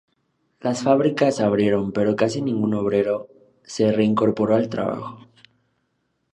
Las fábricas abrieron pero casi ningún obrero se reincorporó al trabajo.